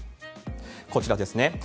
こちらですね。